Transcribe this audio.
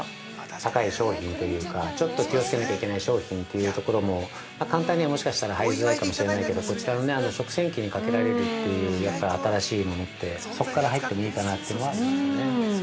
◆高い商品というかちょっと気をつけなきゃいけない商品というところも簡単にはもしかしたら入りづらいかもしれないけどこちらの、食洗機にかけられるというやっぱ新しいものってそこから入ってもいいかなというのはありますよね。